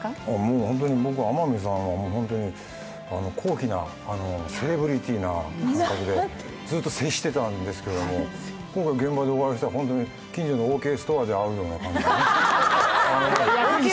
本当に僕は天海さんは高貴な、セレブリティな感覚でずっと接してたんですけれども、現場でお会いしたら近所のオーケーストアで会うような感じ。